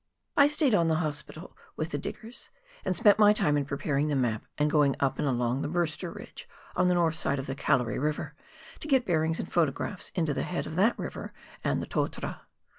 I stayed on the Hospital with the diggers, and spent my time in preparing the map and going up and along the "Burster" Ridge on the north side of the Gallery River, to get bearings and photographs, into the head of that river and the Totara.